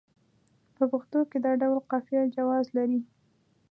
په پښتو کې دا ډول قافیه جواز لري.